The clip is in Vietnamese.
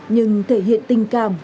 nhưng thể hiện tình cảm